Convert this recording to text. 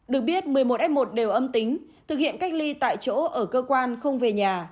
được biết một mươi một f một đều âm tính thực hiện cách ly tại chỗ ở cơ quan không về nhà